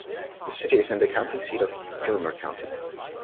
The city is the county seat of Gilmer County.